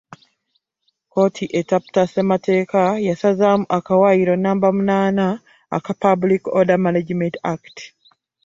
Kkooti etaputa ssemateeka yasazaamu akawaayiro nnamba munaana aka Public Order Management Act